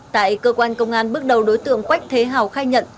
tại cơ quan công an bước đầu đối tượng quách thế hào khai nhận